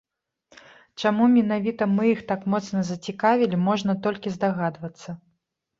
Чаму менавіта мы іх так моцна зацікавілі можна толькі здагадвацца.